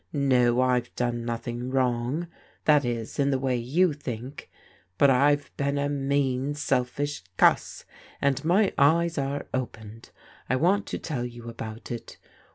No, I've done nothing wrong, that is in the way you think. But I've been a mean, selfish cuss, and my eyes are opened. I want to tell you about it.